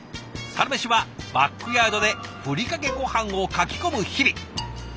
サラメシはバックヤードでふりかけごはんをかき込む日々。